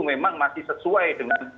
memang masih sesuai dengan